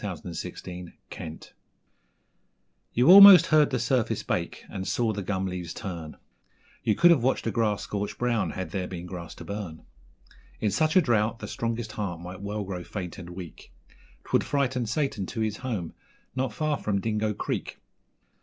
Marshall's Mate You almost heard the surface bake, and saw the gum leaves turn You could have watched the grass scorch brown had there been grass to burn. In such a drought the strongest heart might well grow faint and weak 'Twould frighten Satan to his home not far from Dingo Creek.